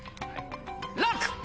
ＬＯＣＫ！